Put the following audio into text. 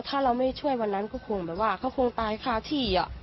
ถ้าเราไม่ช่วยวันนั้นก็คงแบบว่าเขาคงตายคาที่